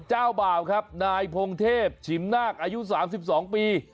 เจ้าบ่าวครับนายพงเทพฉิมนาคอายุ๓๒ปี